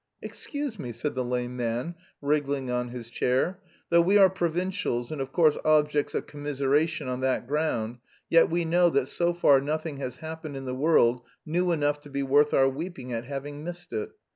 "Excuse me," said the lame man, wriggling on his chair, "though we are provincials and of course objects of commiseration on that ground, yet we know that so far nothing has happened in the world new enough to be worth our weeping at having missed it.